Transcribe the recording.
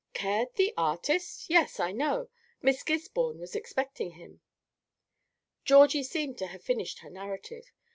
"Caird, the artist? yes, I know. Miss Gisborne was expecting him." Georgie seemed to have finished her narrative.